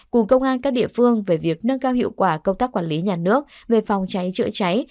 cùng công an các địa phương về việc nâng cao hiệu quả công tác quản lý nhà nước về phòng cháy chữa cháy